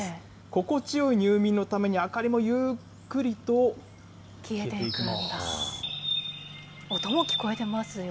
心地よい入眠のために明かりもゆっくりと消えていきま音も聴こえてますよ。